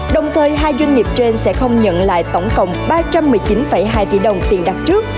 đồng thời hai doanh nghiệp trên sẽ không nhận lại tổng cộng ba trăm một mươi chín hai tỷ đồng tiền đặt trước